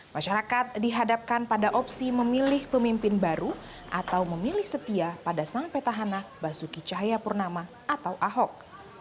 masyarakat dihadapkan pada opsi memilih pemimpin baru atau memilih setia pada sang petahana basuki cahayapurnama atau ahok